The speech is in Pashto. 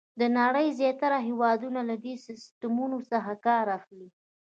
د نړۍ زیاتره هېوادونه له دې سیسټمونو څخه کار اخلي.